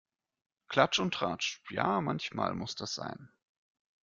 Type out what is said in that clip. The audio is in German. Klatsch und Tratsch - ja manchmal muss das sein.